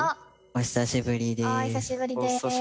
お久しぶりです。